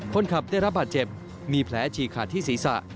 คนขับได้รับบาดเจ็บมีแผลฉีกขาดที่ศีรษะ